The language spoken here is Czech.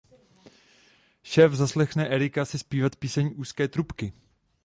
Šéf zaslechne Erica si zpívat píseň Uzké trubky.